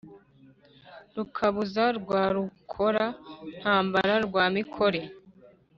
rukabuza rwa rukora-ntambara rwa mikore,